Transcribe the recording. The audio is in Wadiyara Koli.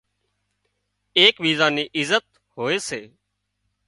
ايڪ ٻيزان ني عزت هوئي سي